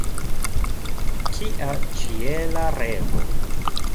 Kia ĉiela revo!